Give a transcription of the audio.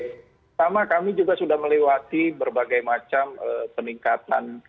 pertama kami juga sudah melewati berbagai macam peningkatan